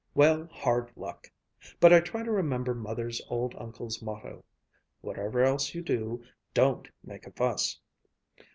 Well, hard luck! But I try to remember Mother's old uncle's motto, "Whatever else you do, don't make a fuss!"